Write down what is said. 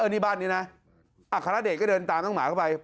นี่บ้านนี้นะอัครเดชก็เดินตามน้องหมาเข้าไป